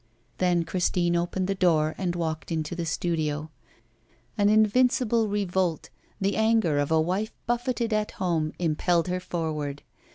Then Christine opened the door and walked into the studio. An invincible revolt, the anger of a wife buffeted at home, impelled her forward.